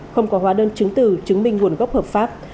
không có hóa đơn chứng từ chứng minh nguồn gốc hợp pháp